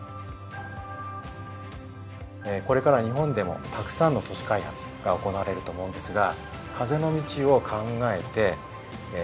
これから日本でもたくさんの都市開発が行われると思うんですが風の道を考えて街づくりをしていく。